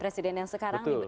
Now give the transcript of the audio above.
presiden yang sekarang